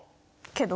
けど？